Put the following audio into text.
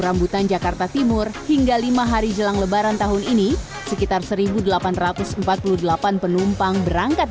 rambutan jakarta timur hingga lima hari jelang lebaran tahun ini sekitar seribu delapan ratus empat puluh delapan penumpang berangkat